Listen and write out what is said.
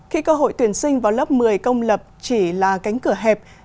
khi cơ hội tuyển sinh vào lớp một mươi công lập chỉ là cánh cửa hẹp